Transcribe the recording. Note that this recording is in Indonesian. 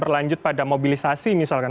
berlanjut pada mobilisasi misalkan